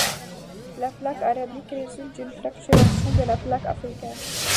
La plaque arabique résulte d'une fracturation de la plaque africaine.